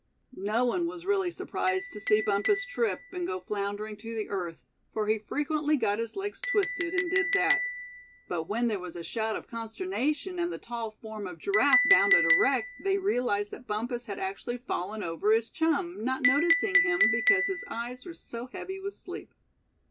No one was really surprised to see Bumpus trip, and go floundering to the earth, for he frequently got his legs twisted, and did that; but when there was a shout of consternation, and the tall form of Giraffe bounded erect they realized that Bumpus had actually fallen over his chum, not noticing him, because his eyes were so heavy with sleep.